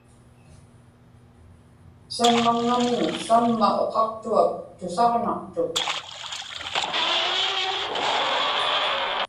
saŋmaŋŋamiñ samma uqaqtuak tusaġnaqtuk